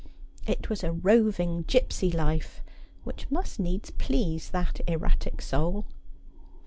It was a roving gipsy life which must needs please that erratic soul.